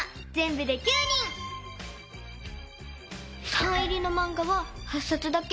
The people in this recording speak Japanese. サイン入りのマンガは８さつだけ。